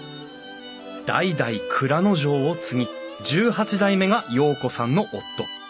代々内蔵丞を継ぎ１８代目が陽子さんの夫。